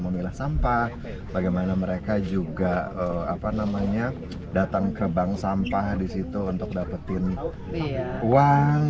memilah sampah bagaimana mereka juga apa namanya datang ke bank sampah disitu untuk dapetin uang